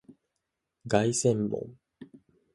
凱旋門